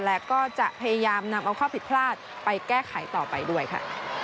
และก็จะพยายามนำเอาข้อผิดพลาดไปแก้ไขต่อไปด้วยค่ะ